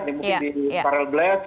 mungkin di parallel blast